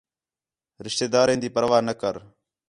رشتے داریں تی پرواہ نہ کر